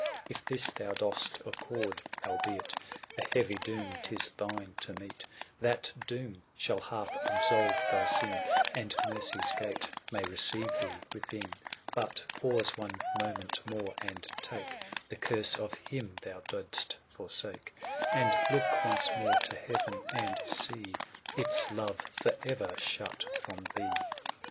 " If this thou dost accord, albeit 590 " A heavy doom 'tis thine to meet, " That doom shall half absolve thy sin, '^ And mercy's gate may receive thee within :*' But pause one moment more, and take " The curse of him thou didst forsake ; 595 " And look once more to heaven, and see " Its love for ever shut from thee.